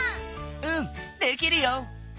うんできるよ。